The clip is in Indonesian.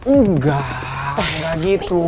enggak enggak gitu